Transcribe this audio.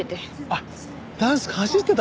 あっダンスかじってたの？